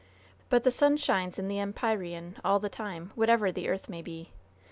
But the sun shines in the empyrean all the time, wherever the earth may be.